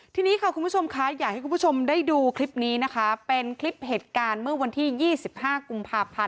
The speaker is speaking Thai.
ทีนี้ค่ะคุณผู้ชมค่ะอยากให้คุณผู้ชมได้ดูคลิปนี้นะคะเป็นคลิปเหตุการณ์เมื่อวันที่๒๕กุมภาพันธ์